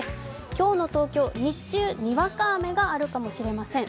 今日の東京、日中にわか雨があるかもしれません。